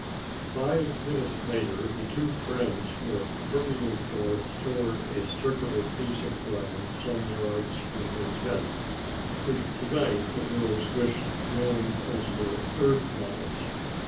Five minutes later the two friends were hurrying forth toward a circular piece of ground some yards from their tent, which to night the girls wished known as their "earth lodge."